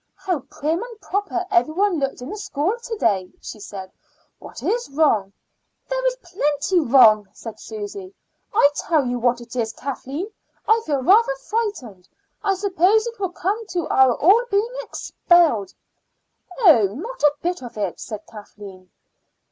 "How prim and proper every one looked in the school to day!" she said. "What is wrong?" "There is plenty wrong," said Susy. "I tell you what it is, Kathleen, I feel rather frightened. I suppose it will come to our all being expelled." "Oh, not a bit of it," said Kathleen.